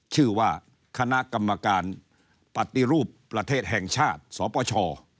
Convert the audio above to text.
ชื่อว่าคณะกรรมการปฏิรูปประเทศแห่งชาติสปช